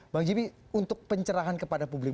bang jimmy untuk pencerahan kepada publik